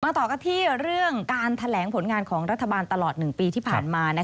ต่อกันที่เรื่องการแถลงผลงานของรัฐบาลตลอด๑ปีที่ผ่านมา